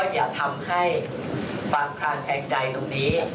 อย่าทำให้ความคลางแคลงใจตรงนี้